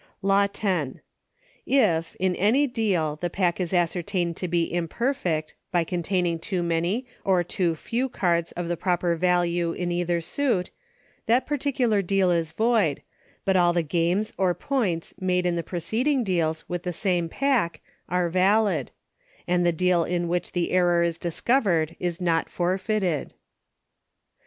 Law X. If, in any deal, the pack is ascertained to be imperfect, by containing too many, or too few cards of the proper value in either suit, that particular deal is void, but all the games, or points, made in the preceding deals with the same pack are valid; and the deal in which the error is discovered is not forfeited.